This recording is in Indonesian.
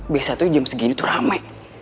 biasanya jam segini tuh rame